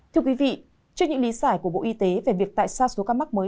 thưa quý vị trước những lý giải của bộ y tế về việc tại sao số ca mắc mới